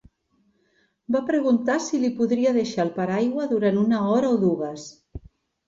Va preguntar si li podria deixar el paraigua durant una hora o dues